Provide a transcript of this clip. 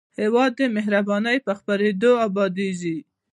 هېواد د مهربانۍ په خپرېدو ابادېږي.